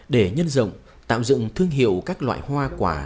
để nhân rộng tạo dựng thương hiệu các loại hoa quả